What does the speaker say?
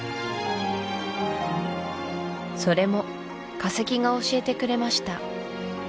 それも化石が教えてくれました